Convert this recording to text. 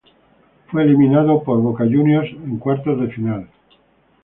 Fue eliminado por Boca Juniors en cuartos de final.